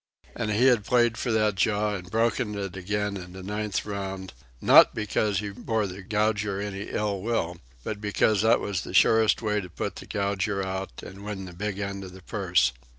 And he had played for that jaw and broken it again in the ninth round, not because he bore the Gouger any ill will, but because that was the surest way to put the Gouger out and win the big end of the purse.